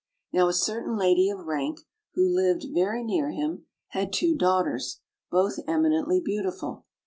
Now a certain lady of rank, who lived very near him, OLD, OLD FAIRY TALES. 71 had two daughters, both eminently beautiful.